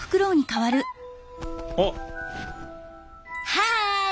はい！